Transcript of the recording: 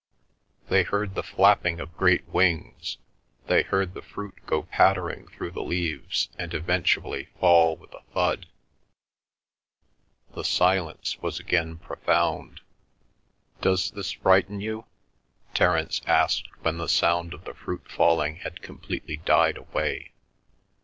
They heard the flapping of great wings; they heard the fruit go pattering through the leaves and eventually fall with a thud. The silence was again profound. "Does this frighten you?" Terence asked when the sound of the fruit falling had completely died away.